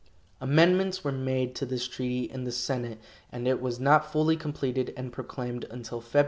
Amendments were made to this treaty in the senate, and it was not fully completed and proclaimed until Feb.